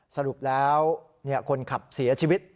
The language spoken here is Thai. สรุปแล้วคนขับเสียชีวิต